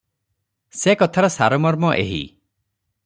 ସେ କଥାର ସାରମର୍ମ ଏହି -